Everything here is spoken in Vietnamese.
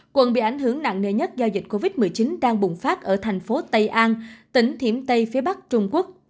quận bị ảnh hưởng nặng nề nhất do dịch covid một mươi chín đang bùng phát ở thành phố tây an tỉnh thiểm tây phía bắc trung quốc